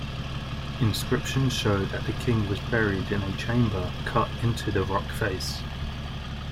Inscriptions show that the king was buried in a chamber cut into the rock-face.